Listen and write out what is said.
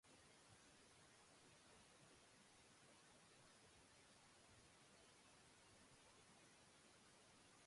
Bankuek asteartean ireki behar dituzte ateak berriro.